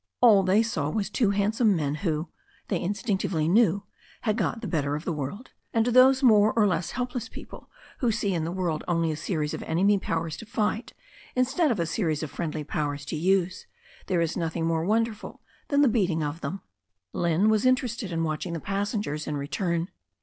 All they saw was two handsome men who, they instinctively knew, had got the better of the world, and to those more or less helpless people who see in the world only a series of enemy powers to fight, instead of a series of friendly powers to use, there is nothing more wonderful than the besting of them. Lynne was interested in watching the passengers in re turn.